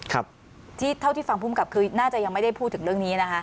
เท่าที่เท่าที่ฟังภูมิกับคือน่าจะยังไม่ได้พูดถึงเรื่องนี้นะคะ